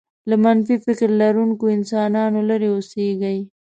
له منفي فکر لرونکو انسانانو لرې اوسېږئ.